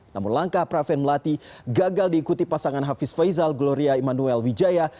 namun langkah praven melati gagal diikuti pasangan hafiz faizal gloria immanuel wijaya